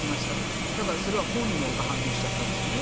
だからそれは本能が反応しちゃったんですよね。